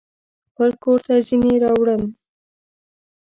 خپل کورته ځینې راوړم